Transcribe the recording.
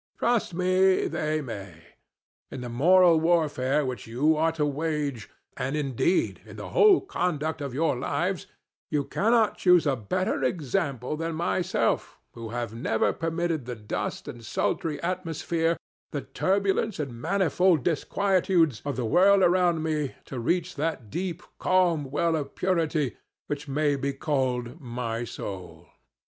Trust me, they may. In the moral warfare which you are to wage—and, indeed, in the whole conduct of your lives—you cannot choose a better example than myself, who have never permitted the dust and sultry atmosphere, the turbulence and manifold disquietudes, of the world around me to reach that deep, calm well of purity which may be called my soul.